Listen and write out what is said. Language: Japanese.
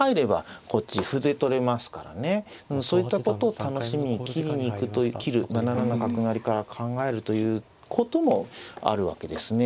そういったことを楽しみに切りに行くという切る７七角成から考えるということもあるわけですね。